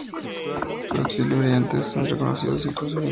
Su estilo y brillantez son reconocidos incluso hoy en día.